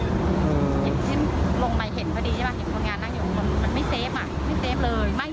อือเห็นที่ลงมาเห็นพอดีใช่ป่ะเห็นคนงานนั่งอยู่ข้างบนมันไม่เซฟอ่ะ